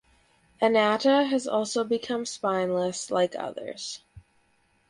Ananta has also become spineless like others.